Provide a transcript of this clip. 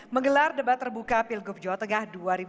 menggelar debat terbuka pilgub jawa tengah dua ribu delapan belas